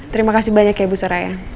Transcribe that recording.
terima kasih banyak ya bu soraya